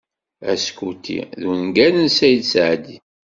"Askuti" d ungal n Saɛid Seɛdi.